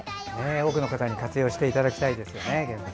多くの方に活用していただきたいですね。